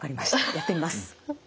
やってみます。